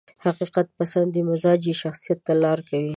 د حقيقت پسندي مزاج يې شخصيت ته لاره کوي.